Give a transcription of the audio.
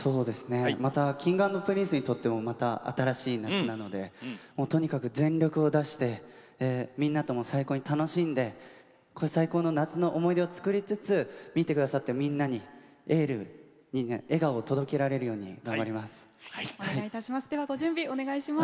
またＫｉｎｇ＆Ｐｒｉｎｃｅにとっても新しい夏なので全力を出してみんなとも最高に楽しんで最高の夏の思い出を作りつつ見てくださってるみんなにエール、笑顔を届けられるように頑張ります。